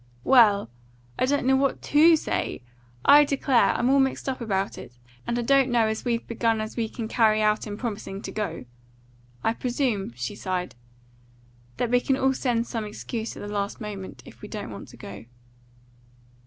"Well, I don't know what TO say. I declare, I'm all mixed up about it, and I don't know as we've begun as we can carry out in promising to go. I presume," she sighed, "that we can all send some excuse at the last moment, if we don't want to go."